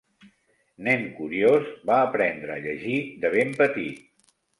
Nen curiós, va aprendre a llegir de ben petit.